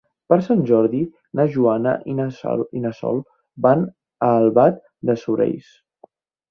Per Sant Jordi na Joana i na Sol van a Albalat dels Sorells.